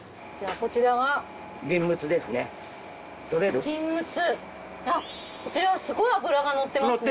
こちらすごい脂がのってますね。